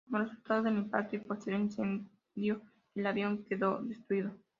Como resultado del impacto y posterior incendio, el avión quedó destruido.